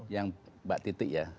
yang mbak titi ya